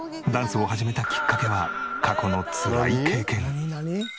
ダンスを始めたきっかけは過去のつらい経験。